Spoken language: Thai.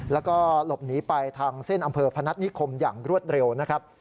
และลบหนีไปทางเส้นอัมเภอภรรรณนิคมอย่างรวดเร็วนะครับ